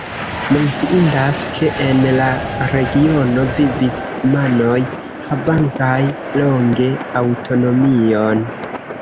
Menciindas, ke en la regiono vivis kumanoj havantaj longe aŭtonomion.